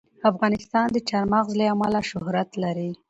افغانستان د چار مغز له امله شهرت لري.